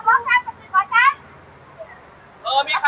ปังขาดมากขนาดนี้นะครับ